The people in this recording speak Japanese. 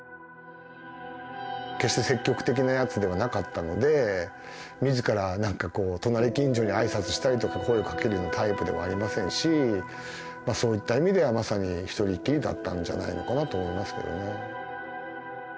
決して積極的なやつではなかったのでみずから何かこう隣近所に挨拶したりとか声をかけるようなタイプでもありませんしそういった意味ではまさに一人きりだったんじゃないのかなと思いますけどね。